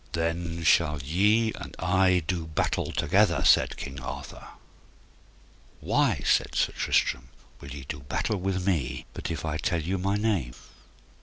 Then shall ye and I do battle together, said King Arthur. Why, said Sir Tristram, will ye do battle with me but if I tell you my name?